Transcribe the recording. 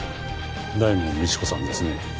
大門未知子さんですね。